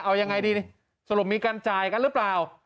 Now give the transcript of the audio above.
เอายังไงดีสรุปมีการจ่ายกันหรือเปล่า